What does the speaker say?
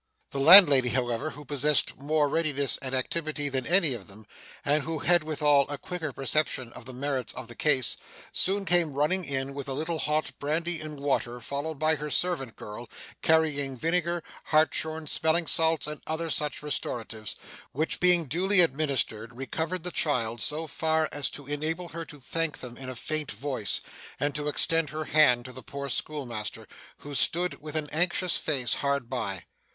The landlady, however, who possessed more readiness and activity than any of them, and who had withal a quicker perception of the merits of the case, soon came running in, with a little hot brandy and water, followed by her servant girl, carrying vinegar, hartshorn, smelling salts, and such other restoratives; which, being duly administered, recovered the child so far as to enable her to thank them in a faint voice, and to extend her hand to the poor schoolmaster, who stood, with an anxious face, hard by.